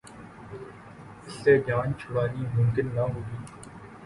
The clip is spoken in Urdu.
اس سے جان چھڑانی ممکن نہ ہوگی۔